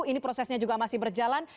ini prosesnya juga masih berjalan